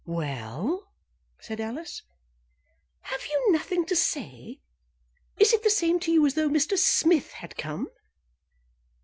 "Well?" said Alice. "Have you nothing to say? Is it the same to you as though Mr. Smith had come?"